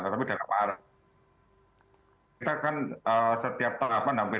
tapi dalam arah kita kan setiap tahun apa